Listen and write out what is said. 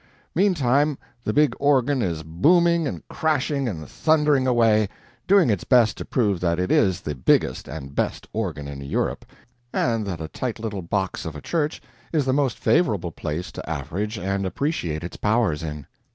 Meantime, the big organ is booming and crashing and thundering away, doing its best to prove that it is the biggest and best organ in Europe, and that a tight little box of a church is the most favorable place to average and appreciate its powers in.